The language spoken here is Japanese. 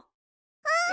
うん！